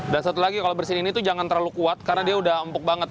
dan satu lagi kalau bersihin ini jangan terlalu kuat karena dia udah empuk banget